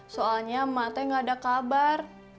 soalnya emak teh nggak ada kabar